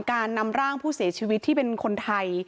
การนำร่างผู้เสียชีวิตที่เป็นคนไทย